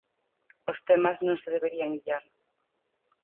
Os temas non se deberían illar.